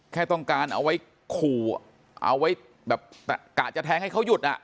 แค่ต้องการเอาไว้ขู่เอาไว้แบบกะจะแทงให้เขาหยุดอ่ะ